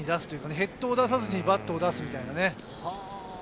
ヘッドを出さずにバットを出すみたいなね。